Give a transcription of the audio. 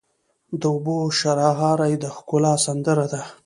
د اوبو شرهاری د ښکلا سندره ده.